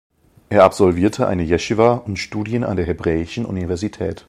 Er absolvierte eine Jeschiwa und Studien an der Hebräischen Universität.